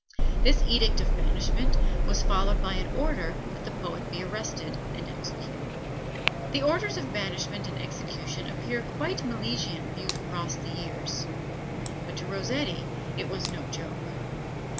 This edict of banishment was followed by an order that the poet be arrested and executed. The orders of banishment and execution appear quite Milesian viewed across the years, but to Rossetti it was no joke.